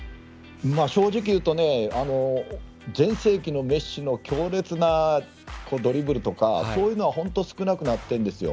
正直言うと全盛期のメッシの強烈なドリブルとかは本当に少なくなってるんですよ。